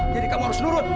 jadi kamu harus nurut